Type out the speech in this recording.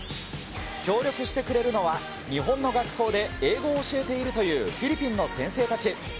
協力してくれるのは、日本の学校で英語を教えているというフィリピンの先生たち。